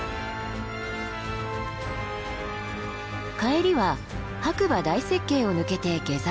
帰りは白馬大雪渓を抜けて下山。